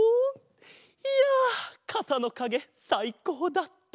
いやかさのかげさいこうだった！